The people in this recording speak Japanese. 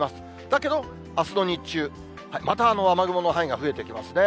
だけど、あすの日中、また雨雲の範囲が増えてきますね。